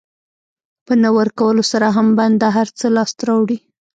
په نه ورکولو سره هم بنده هر څه لاسته راوړي.